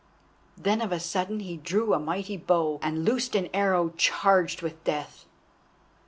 Then of a sudden he drew a mighty bow and loosed an arrow charged with death.